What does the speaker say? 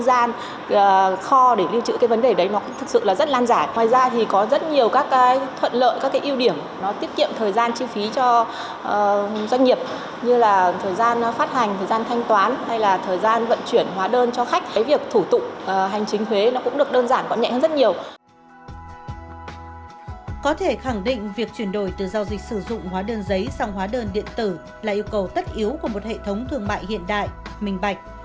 việc chuyển đổi từ giao dịch sử dụng hóa đơn giấy sang hóa đơn điện tử là yêu cầu tất yếu của một hệ thống thương mại hiện đại minh bạch